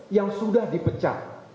yang sudah dipecah